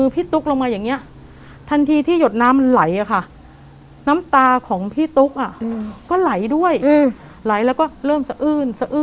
หึหึหึหึหึ